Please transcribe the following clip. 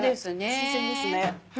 新鮮ですね。